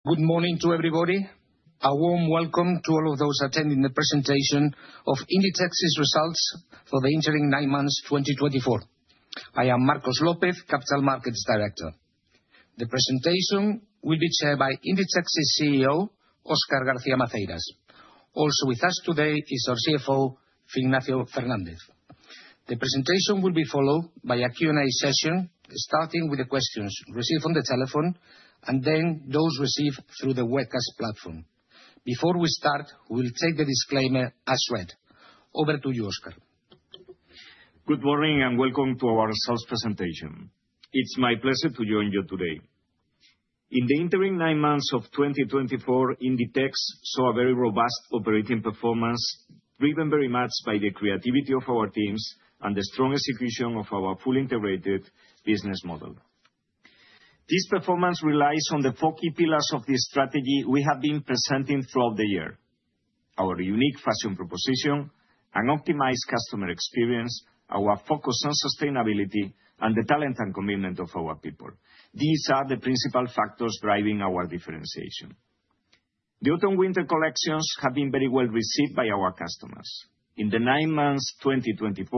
Good morning to everybody. A warm welcome to all of those attending the presentation of Inditex's results for the interim nine months 2024. I am Marcos López, Capital Markets Director. The presentation will be chaired by Inditex's CEO, Óscar García Maceiras. Also with us today is our CFO, Ignacio Fernández. The presentation will be followed by a Q&A session, starting with the questions received on the telephone and then those received through the webcast platform. Before we start, we'll take the disclaimer as read. Over to you, Oscar. Good morning and welcome to our sales presentation. It's my pleasure to join you today. In the interim nine months of 2024, Inditex saw a very robust operating performance, driven very much by the creativity of our teams and the strong execution of our fully integrated business model. This performance relies on the four key pillars of the strategy we have been presenting throughout the year: our unique fashion proposition, an optimized customer experience, our focus on sustainability, and the talent and commitment of our people. These are the principal factors driving our differentiation. The autumn-winter collections have been very well received by our customers. In the nine months 2024,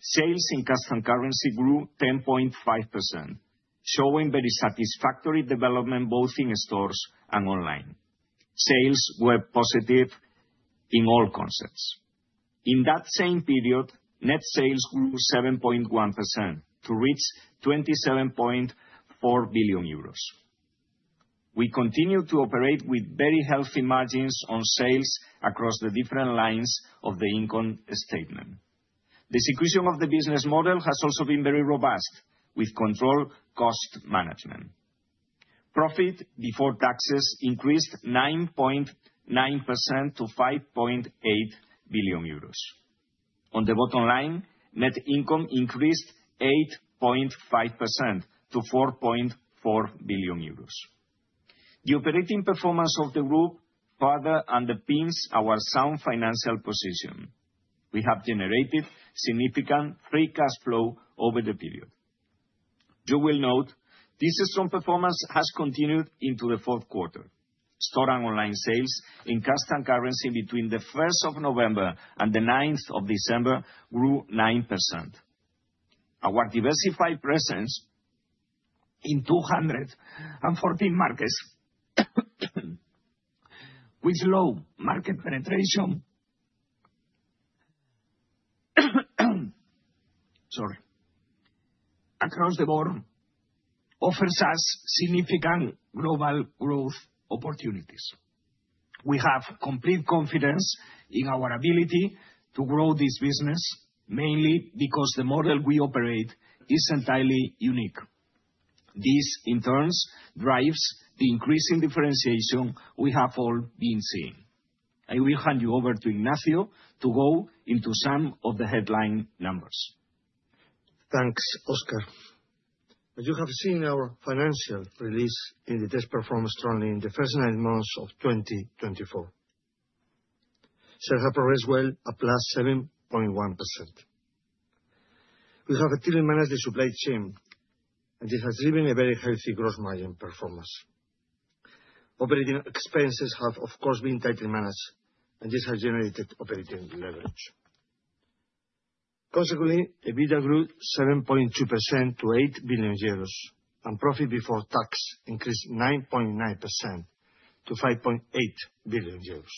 sales in constant currency grew 10.5%, showing very satisfactory development both in stores and online. Sales were positive in all concepts. In that same period, net sales grew 7.1% to reach 27.4 billion euros. We continue to operate with very healthy margins on sales across the different lines of the income statement. The execution of the business model has also been very robust, with controlled cost management. Profit before taxes increased 9.9% to 5.8 billion euros. On the bottom line, net income increased 8.5% to 4.4 billion euros. The operating performance of the group further underpins our sound financial position. We have generated significant free cash flow over the period. You will note this strong performance has continued into the fourth quarter. Store and online sales in constant currency between the 1st of November and the 9th of December grew 9%. Our diversified presence in 214 markets, with low market penetration, sorry, across the board, offers us significant global growth opportunities. We have complete confidence in our ability to grow this business, mainly because the model we operate is entirely unique. This, in turn, drives the increasing differentiation we have all been seeing. I will hand you over to Ignacio to go into some of the headline numbers. Thanks, Oscar. As you have seen, our financial release, Inditex performed strongly in the first nine months of 2024. Sales have progressed well at +7.1%. We have actively managed the supply chain, and this has driven a very healthy gross margin performance. Operating expenses have, of course, been tightly managed, and this has generated operating leverage. Consequently, EBITDA grew 7.2% to 8 billion euros, and profit before tax increased 9.9% to 5.8 billion euros.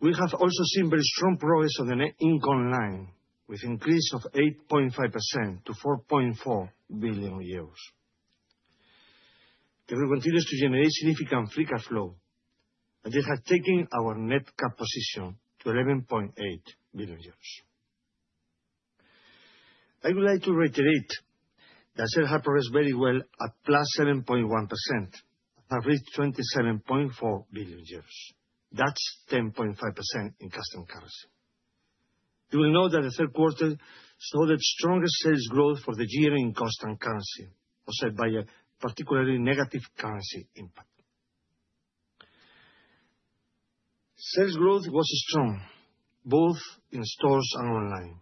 We have also seen very strong progress on the net income line, with an increase of 8.5% to 4.4 billion euros. The group continues to generate significant free cash flow, and this has taken our net cash position to 11.8 billion euros. I would like to reiterate that sales have progressed very well at plus 7.1%, having reached 27.4 billion. That's 10.5% in constant currency. You will note that the third quarter saw the strongest sales growth for the year in constant currency, offset by a particularly negative currency impact. Sales growth was strong, both in stores and online.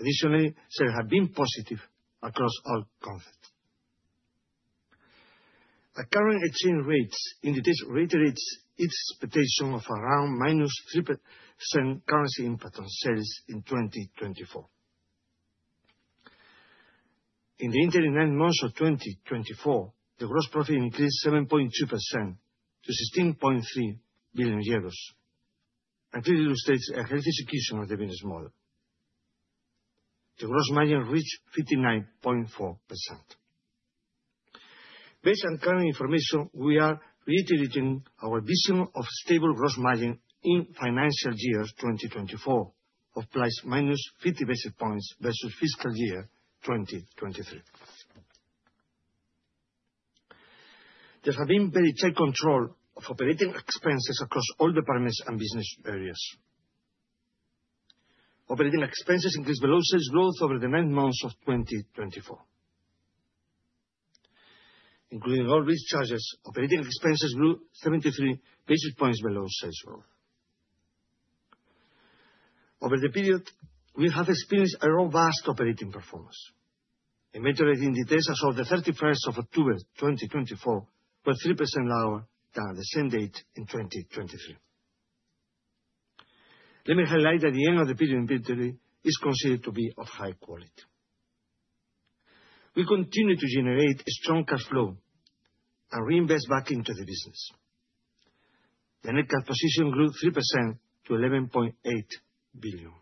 Additionally, sales have been positive across all concepts. At current exchange rates, Inditex reiterates its expectation of around -3% currency impact on sales in 2024. In the interim nine months of 2024, the gross profit increased 7.2% to 16.3 billion euros, and this illustrates a healthy execution of the business model. The gross margin reached 59.4%. Based on current information, we are reiterating our vision of stable gross margin in financial year 2024, of plus minus 50 basis points versus fiscal year 2023. There has been very tight control of operating expenses across all departments and business areas. Operating expenses increased below sales growth over the nine months of 2024. Including all these charges, operating expenses grew 73 basis points below sales growth. Over the period, we have experienced a robust operating performance. Inventory at Inditex as of the 31st of October 2024 was 3% lower than on the same date in 2023. Let me highlight that the end of the period inventory is considered to be of high quality. We continue to generate strong cash flow and reinvest back into the business. The net cash position grew 3% to 11.8 billion.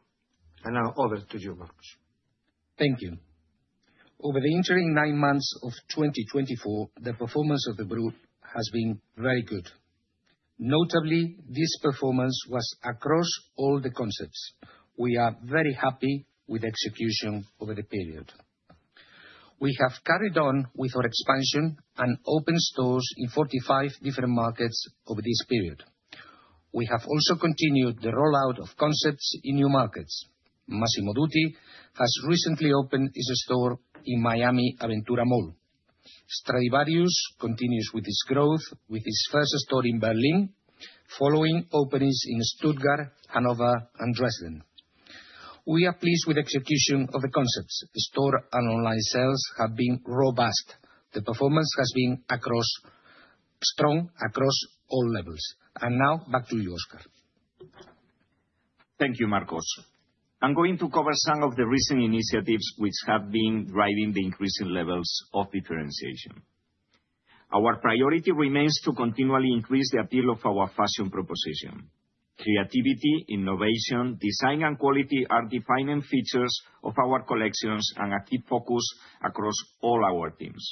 And now over to you, Marcos. Thank you. Over the interim nine months of 2024, the performance of the group has been very good. Notably, this performance was across all the concepts. We are very happy with the execution over the period. We have carried on with our expansion and opened stores in 45 different markets over this period. We have also continued the rollout of concepts in new markets. Massimo Dutti has recently opened his store in Miami Aventura Mall. Stradivarius continues with its growth, with its first store in Berlin, following openings in Stuttgart, Hanover, and Dresden. We are pleased with the execution of the concepts. Store and online sales have been robust. The performance has been strong across all levels. Now back to you, Oscar. Thank you, Marcos. I'm going to cover some of the recent initiatives which have been driving the increasing levels of differentiation. Our priority remains to continually increase the appeal of our fashion proposition. Creativity, innovation, design, and quality are defining features of our collections and a key focus across all our teams.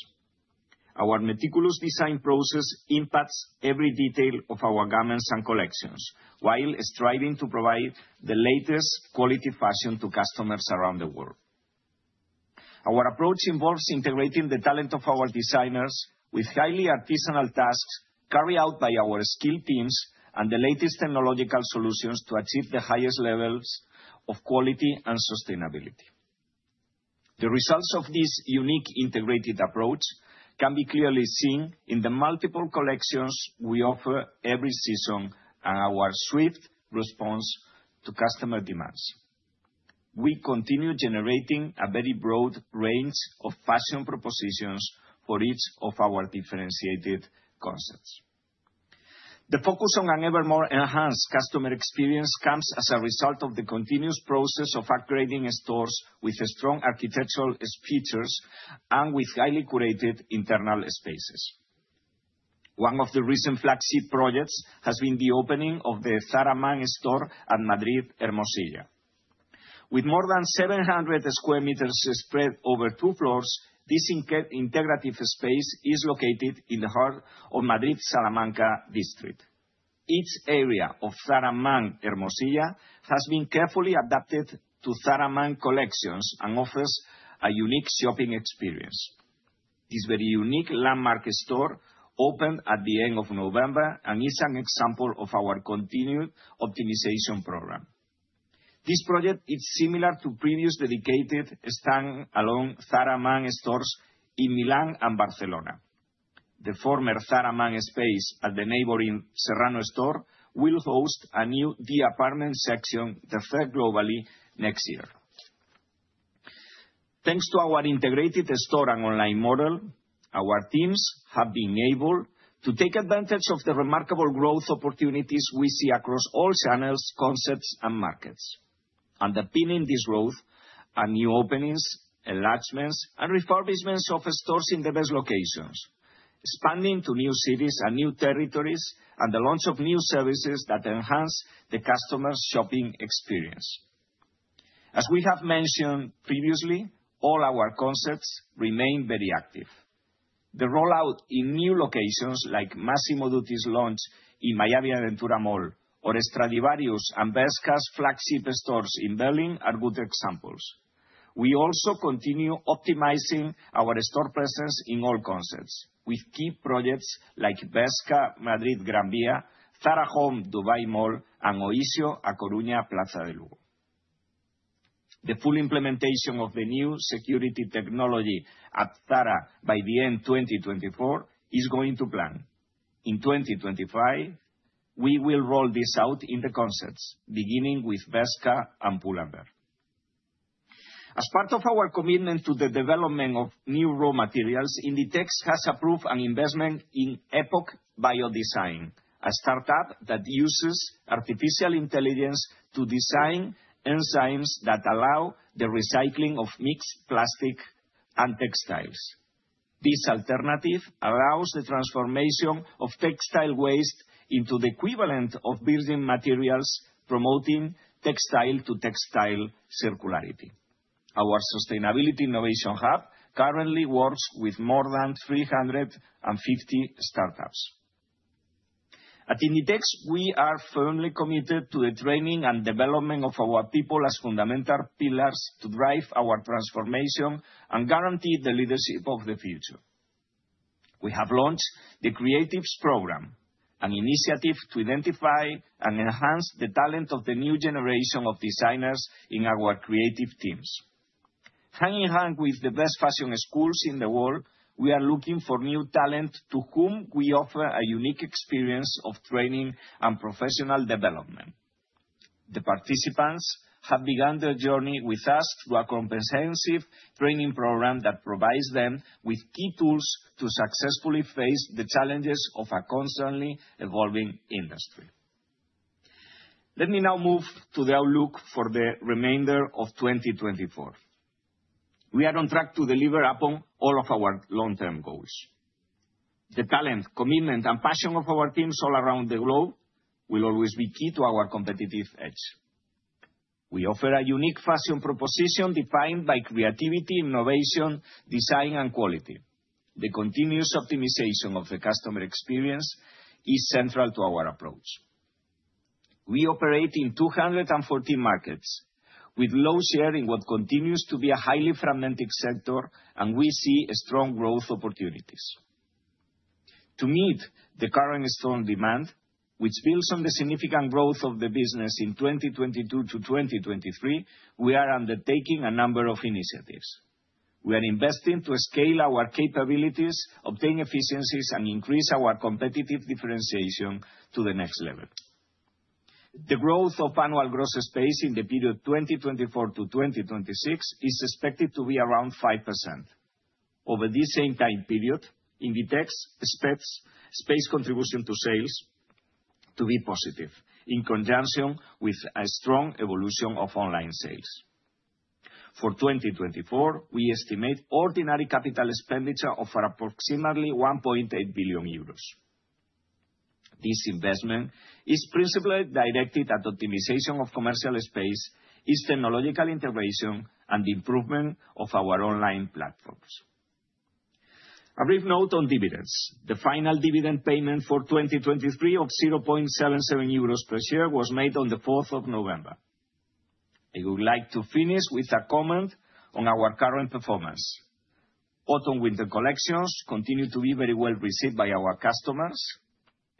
Our meticulous design process impacts every detail of our garments and collections while striving to provide the latest quality fashion to customers around the world. Our approach involves integrating the talent of our designers with highly artisanal tasks carried out by our skilled teams and the latest technological solutions to achieve the highest levels of quality and sustainability. The results of this unique integrated approach can be clearly seen in the multiple collections we offer every season and our swift response to customer demands. We continue generating a very broad range of fashion propositions for each of our differentiated concepts. The focus on an ever more enhanced customer experience comes as a result of the continuous process of upgrading stores with strong architectural features and with highly curated internal spaces. One of the recent flagship projects has been the opening of the Zara Man store at Madrid Hermosilla. With more than 700 square meters spread over two floors, this integrative space is located in the heart of Madrid's Salamanca district. Each area of Zara Man Hermosilla has been carefully adapted to Zara Man collections and offers a unique shopping experience. This very unique landmark store opened at the end of November and is an example of our continued optimization program. This project is similar to previous dedicated stand-alone Zara Man stores in Milan and Barcelona. The former Zara Man space at the neighboring Serrano store will host a new The Apartment section, the third globally next year. Thanks to our integrated store and online model, our teams have been able to take advantage of the remarkable growth opportunities we see across all channels, concepts, and markets, underpinning this growth and new openings, enlargements, and refurbishments of stores in the best locations, expanding to new cities and new territories, and the launch of new services that enhance the customer's shopping experience. As we have mentioned previously, all our concepts remain very active. The rollout in new locations, like Massimo Dutti's launch in Miami Aventura Mall, or Stradivarius and Bershka's flagship stores in Berlin, are good examples. We also continue optimizing our store presence in all concepts with key projects like Bershka Madrid Gran Vía, Zara Home Dubai Mall, and Oysho A Coruña Plaza de Lugo. The full implementation of the new security technology at Zara by the end of 2024 is going to plan. In 2025, we will roll this out in the concepts, beginning with Bershka and Pull&Bear. As part of our commitment to the development of new raw materials, Inditex has approved an investment in Epoch Biodesign, a startup that uses artificial intelligence to design enzymes that allow the recycling of mixed plastic and textiles. This alternative allows the transformation of textile waste into the equivalent of building materials, promoting textile-to-textile circularity. Our Sustainability Innovation Hub currently works with more than 350 startups. At Inditex, we are firmly committed to the training and development of our people as fundamental pillars to drive our transformation and guarantee the leadership of the future. We have launched the Creatives Program, an initiative to identify and enhance the talent of the new generation of designers in our creative teams. Hand in hand with the best fashion schools in the world, we are looking for new talent to whom we offer a unique experience of training and professional development. The participants have begun their journey with us through a comprehensive training program that provides them with key tools to successfully face the challenges of a constantly evolving industry. Let me now move to the outlook for the remainder of 2024. We are on track to deliver upon all of our long-term goals. The talent, commitment, and passion of our teams all around the globe will always be key to our competitive edge. We offer a unique fashion proposition defined by creativity, innovation, design, and quality. The continuous optimization of the customer experience is central to our approach. We operate in 214 markets, with low share in what continues to be a highly fragmented sector, and we see strong growth opportunities. To meet the current strong demand, which builds on the significant growth of the business in 2022 to 2023, we are undertaking a number of initiatives. We are investing to scale our capabilities, obtain efficiencies, and increase our competitive differentiation to the next level. The growth of annual gross space in the period 2024 to 2026 is expected to be around 5%. Over this same time period, Inditex expects space contribution to sales to be positive in conjunction with a strong evolution of online sales. For 2024, we estimate ordinary capital expenditure of approximately 1.8 billion euros. This investment is principally directed at optimization of commercial space, its technological integration, and the improvement of our online platforms. A brief note on dividends. The final dividend payment for 2023 of 0.77 euros per share was made on the 4th of November. I would like to finish with a comment on our current performance. Autumn/winter collections continue to be very well received by our customers.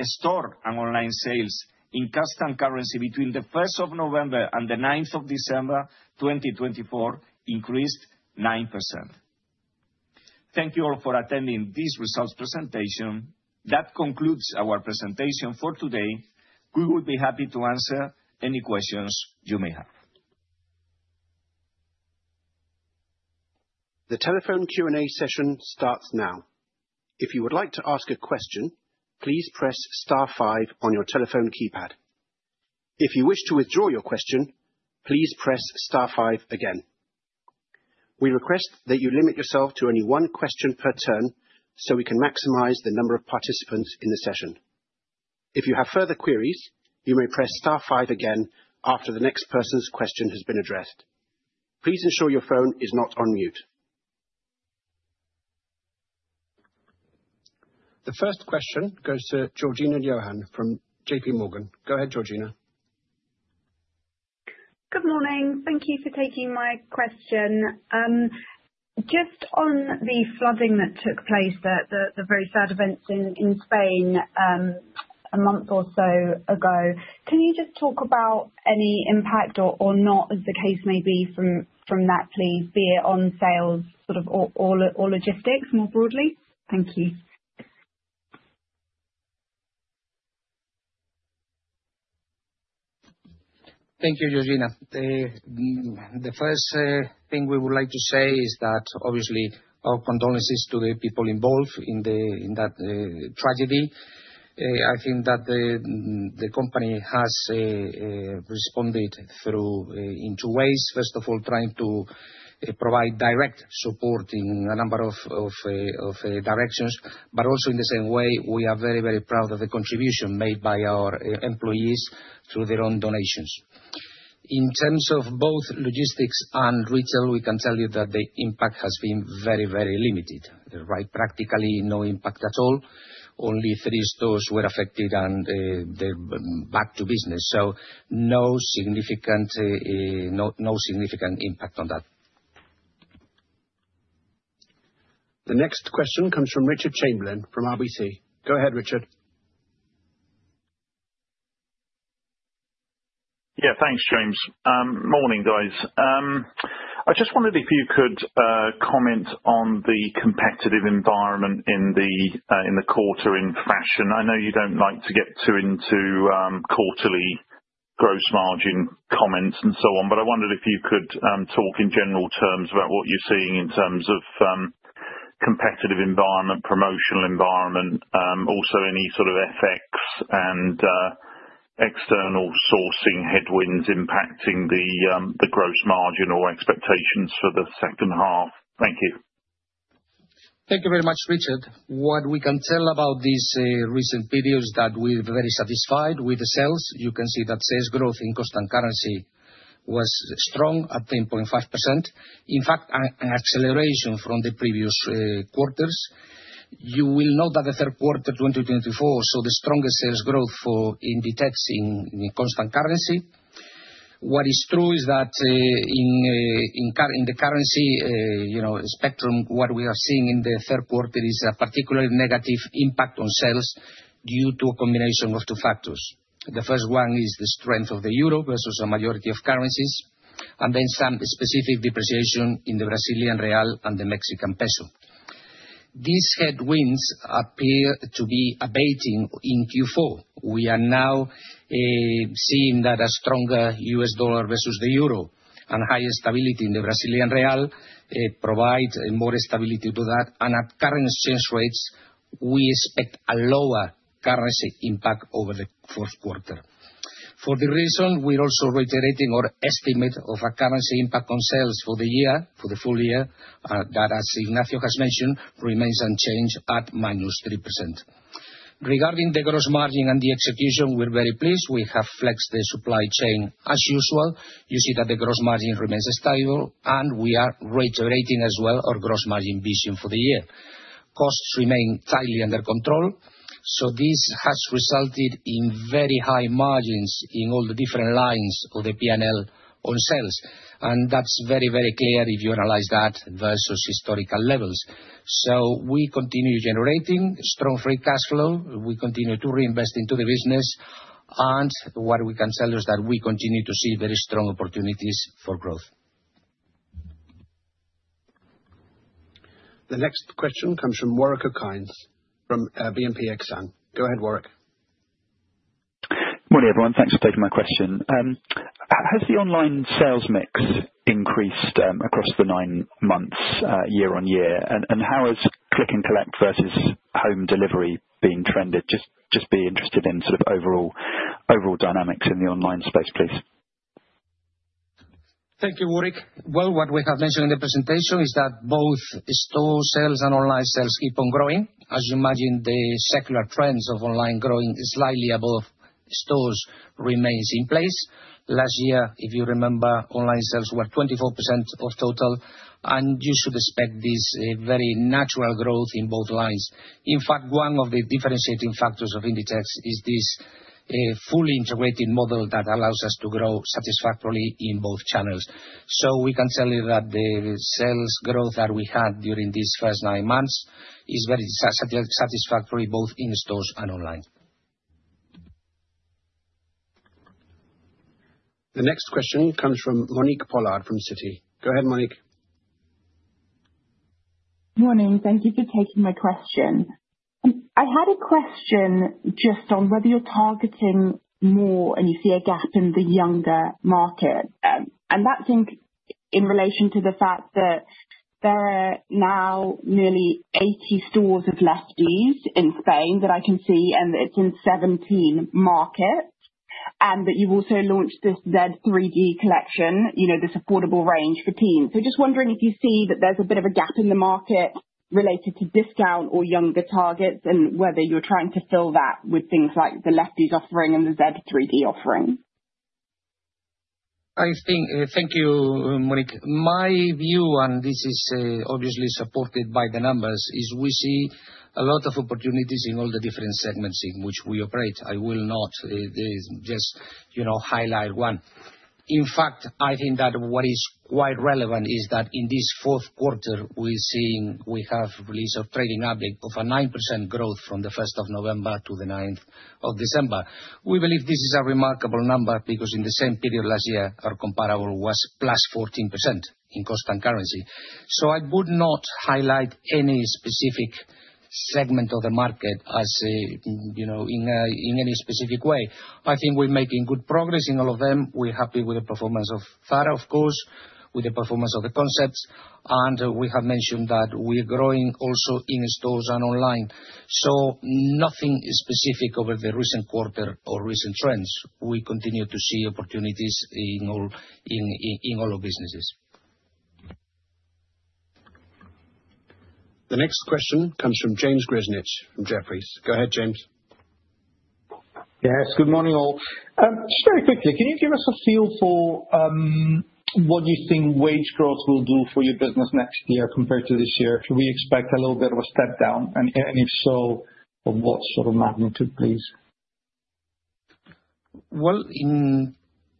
Store and online sales in constant currency between the 1st of November and the 9th of December 2024 increased 9%. Thank you all for attending this results presentation. That concludes our presentation for today. We would be happy to answer any questions you may have. The telephone Q&A session starts now. If you would like to ask a question, please press star five on your telephone keypad. If you wish to withdraw your question, please press star five again. We request that you limit yourself to only one question per turn so we can maximize the number of participants in the session. If you have further queries, you may press star five again after the next person's question has been addressed. Please ensure your phone is not on mute. The first question goes to Georgina Johanan from JPMorgan. Go ahead, Georgina. Good morning. Thank you for taking my question. Just on the flooding that took place, the very sad events in Spain a month or so ago, can you just talk about any impact or not, as the case may be, from that, please? Be it on sales, sort of, or logistics more broadly? Thank you. Thank you, Georgina. The first thing we would like to say is that, obviously, our condolences to the people involved in that tragedy. I think that the company has responded in two ways. First of all, trying to provide direct support in a number of directions, but also in the same way, we are very, very proud of the contribution made by our employees through their own donations. In terms of both logistics and retail, we can tell you that the impact has been very, very limited, right? Practically no impact at all. Only three stores were affected and back to business. So no significant impact on that. The next question comes from Richard Chamberlain from RBC. Go ahead, Richard. Yeah, thanks, James. Morning, guys. I just wondered if you could comment on the competitive environment in the quarter in fashion. I know you don't like to get too into quarterly gross margin comments and so on, but I wondered if you could talk in general terms about what you're seeing in terms of competitive environment, promotional environment, also any sort of FX and external sourcing headwinds impacting the gross margin or expectations for the second half. Thank you. Thank you very much, Richard. What we can tell about this recent period is that we're very satisfied with the sales. You can see that sales growth in constant currency was strong at 10.5%. In fact, an acceleration from the previous quarters. You will note that the third quarter 2024 saw the strongest sales growth for Inditex in constant currency. What is true is that in the currency spectrum, what we are seeing in the third quarter is a particularly negative impact on sales due to a combination of two factors. The first one is the strength of the euro versus a majority of currencies, and then some specific depreciation in the Brazilian real and the Mexican peso. These headwinds appear to be abating in Q4. We are now seeing that a stronger US dollar versus the euro and higher stability in the Brazilian real provide more stability to that. At current exchange rates, we expect a lower currency impact over the fourth quarter. For that reason, we're also reiterating our estimate of a currency impact on sales for the year, for the full year, that, as Ignacio has mentioned, remains unchanged at -3%. Regarding the gross margin and the execution, we're very pleased. We have flexed the supply chain as usual. You see that the gross margin remains stable, and we are reiterating as well our gross margin vision for the year. Costs remain tightly under control, so this has resulted in very high margins in all the different lines of the P&L on sales. And that's very, very clear if you analyze that versus historical levels. So we continue generating strong free cash flow. We continue to reinvest into the business. What we can tell is that we continue to see very strong opportunities for growth. The next question comes from Warwick Okines from BNP Paribas Exane. Go ahead, Warwick. Good morning, everyone. Thanks for taking my question. Has the online sales mix increased across the nine months year on year, and how has click and collect versus home delivery been trended? Just be interested in sort of overall dynamics in the online space, please. Thank you, Warwick. What we have mentioned in the presentation is that both store sales and online sales keep on growing. As you imagine, the secular trends of online growing slightly above stores remain in place. Last year, if you remember, online sales were 24% of total, and you should expect this very natural growth in both lines. In fact, one of the differentiating factors of Inditex is this fully integrated model that allows us to grow satisfactorily in both channels. So we can tell you that the sales growth that we had during these first nine months is very satisfactory both in stores and online. The next question comes from Monique Pollard from Citi. Go ahead, Monique. Morning. Thank you for taking my question. I had a question just on whether you're targeting more and you see a gap in the younger market, and that's in relation to the fact that there are now nearly 80 stores of Lefties in Spain that I can see, and it's in 17 markets, and that you've also launched this Z3D collection, this affordable range for teens, so just wondering if you see that there's a bit of a gap in the market related to discount or younger targets and whether you're trying to fill that with things like the Lefties offering and the Z3D offering. I think. Thank you, Monique. My view, and this is obviously supported by the numbers, is we see a lot of opportunities in all the different segments in which we operate. I will not just highlight one. In fact, I think that what is quite relevant is that in this fourth quarter, we have a release of trading update of a 9% growth from the 1st of November to the 9th of December. We believe this is a remarkable number because in the same period last year, our comparable was plus 14% in constant currency. I would not highlight any specific segment of the market in any specific way. I think we're making good progress in all of them. We're happy with the performance of Zara, of course, with the performance of the concepts. We have mentioned that we're growing also in stores and online. Nothing specific over the recent quarter or recent trends. We continue to see opportunities in all of businesses. The next question comes from James Grzinic from Jefferies. Go ahead, James. Yes, good morning, all. Just very quickly, can you give us a feel for what you think wage growth will do for your business next year compared to this year? Should we expect a little bit of a step down, and if so, of what sort of magnitude, please?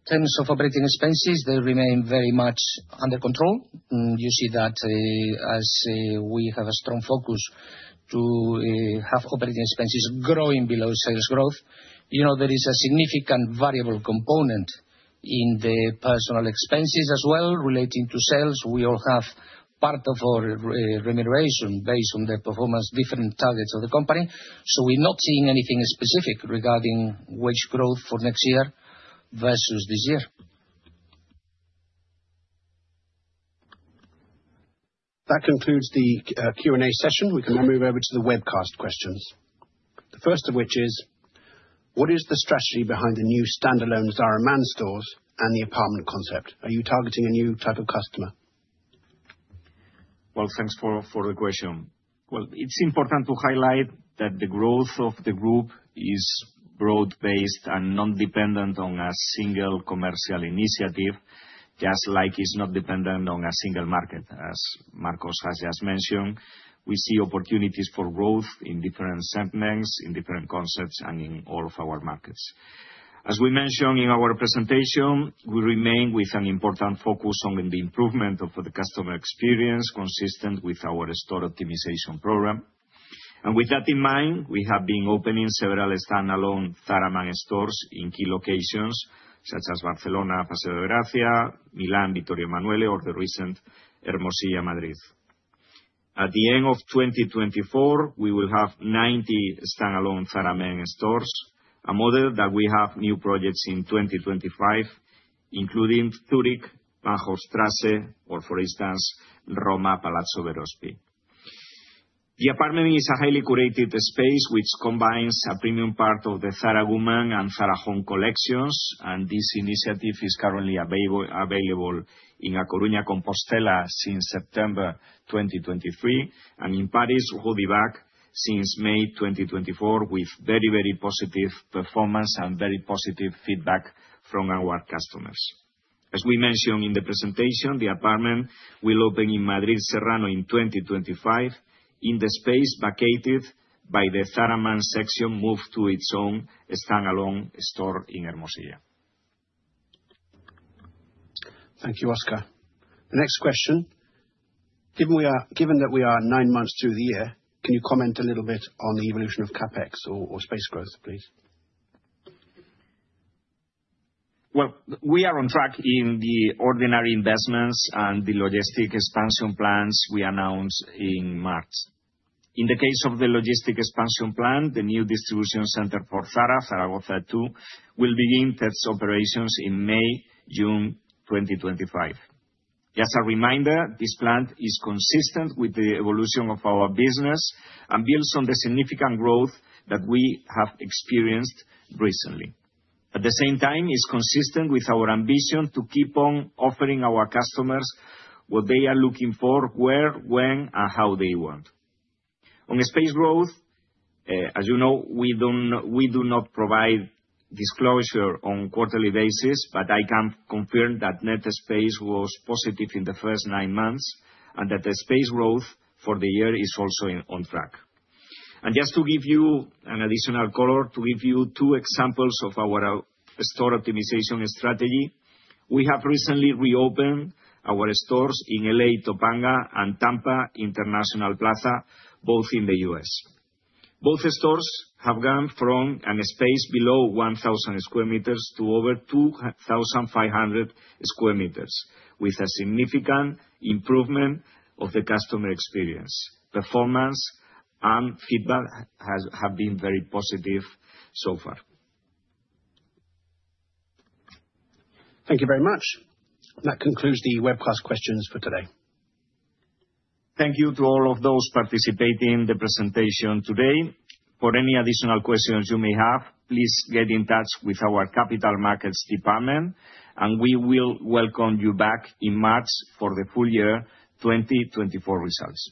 In terms of operating expenses, they remain very much under control. You see that as we have a strong focus to have operating expenses growing below sales growth. There is a significant variable component in the personnel expenses as well relating to sales. We all have part of our remuneration based on the performance, different targets of the company, so we're not seeing anything specific regarding wage growth for next year versus this year. That concludes the Q&A session. We can now move over to the webcast questions. The first of which is, what is the strategy behind the new standalone Zara Man stores and The Apartment concept? Are you targeting a new type of customer? Thanks for the question. It's important to highlight that the growth of the group is broad-based and non-dependent on a single commercial initiative, just like it's not dependent on a single market, as Marcos has just mentioned. We see opportunities for growth in different segments, in different concepts, and in all of our markets. As we mentioned in our presentation, we remain with an important focus on the improvement of the customer experience consistent with our store optimization program. With that in mind, we have been opening several standalone Zara Man stores in key locations such as Barcelona, Paseo de Gracia, Milan, Vittorio Emanuele, or the recent Hermosilla, Madrid. At the end of 2024, we will have 90 standalone Zara Man stores, a model that we have new projects in 2025, including Zurich, Bahnhofstrasse, or, for instance, Rome, Palazzo Verospi. The Apartment is a highly curated space which combines a premium part of the Zara Woman and Zara Home collections. This initiative is currently available in A Coruña Compostela since September 2023, and in Paris, Rue du Bac since May 2024, with very, very positive performance and very positive feedback from our customers. As we mentioned in the presentation, The Apartment will open in Madrid, Serrano in 2025, in the space vacated by the Zara Man section moved to its own standalone store in Hermosilla. Thank you, Oscar. The next question. Given that we are nine months through the year, can you comment a little bit on the evolution of CapEx or space growth, please? We are on track in the ordinary investments and the logistic expansion plans we announced in March. In the case of the logistic expansion plan, the new distribution center for Zara, Zaragoza II, will begin its operations in May-June 2025. As a reminder, this plan is consistent with the evolution of our business and builds on the significant growth that we have experienced recently. At the same time, it's consistent with our ambition to keep on offering our customers what they are looking for, where, when, and how they want. On space growth, as you know, we do not provide disclosure on a quarterly basis, but I can confirm that net space was positive in the first nine months and that the space growth for the year is also on track. Just to give you an additional color, to give you two examples of our store optimization strategy, we have recently reopened our stores in L.A. Topanga and International Plaza, both in the U.S. Both stores have gone from a space below 1,000 sq m to over 2,500 sq m, with a significant improvement of the customer experience. Performance and feedback have been very positive so far. Thank you very much. That concludes the webcast questions for today. Thank you to all of those participating in the presentation today. For any additional questions you may have, please get in touch with our Capital Markets Department, and we will welcome you back in March for the full year 2024 results.